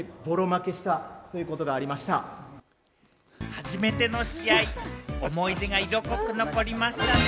初めての試合、思い出が色濃く残りましたね。